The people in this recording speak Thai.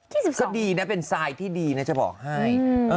ก็ดีนะเป็นทรายที่ดีนะจะบอกให้